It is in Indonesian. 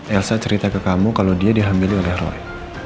elsa cerita ke kamu kalau dia dihamili oleh roy